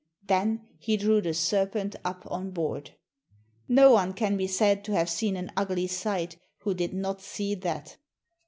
Then he drew the serpent up on board. No one can be said to have seen an ugly sight who did not see that.